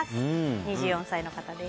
２４歳の方です。